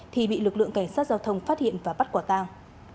thì bị lực lượng cảnh sát giao thông phát hiện và bắt quả tang